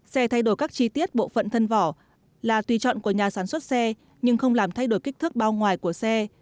xe thay đổi các chi tiết bộ phận thân vỏ là tùy chọn của nhà sản xuất xe nhưng không làm thay đổi kích thước bao ngoài của xe